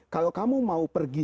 kalau kamu mau pergi